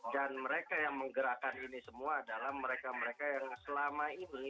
dan mereka yang menggerakkan ini semua adalah mereka mereka yang selama ini